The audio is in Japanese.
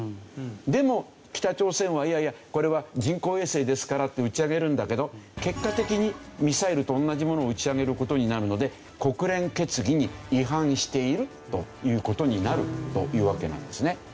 でも北朝鮮はいやいやこれは人工衛星ですからって打ち上げるんだけど結果的にミサイルと同じものを打ち上げる事になるので国連決議に違反しているという事になるというわけなんですね。